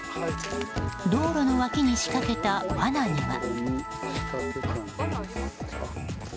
道路の脇に仕掛けた罠には。